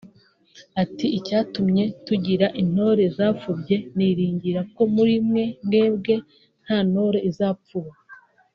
Ati “Icyatumye tugira intore zapfubye niringira ko muri mwebwe nta ntore izapfuba